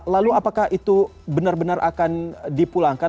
lalu apakah itu benar benar akan dipulangkan